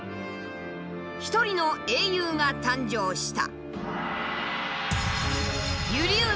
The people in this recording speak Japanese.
一人の英雄が誕生した。